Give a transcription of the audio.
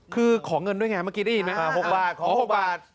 คือขอเงินด้วยไงเมื่อกี้ได้ยินไหม๖บาทขอ๖บาท